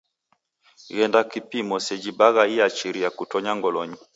Ghenda kupimo seji bagha iachiriagha kutonya ngolonyi.